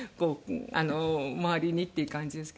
周りにっていう感じですけど。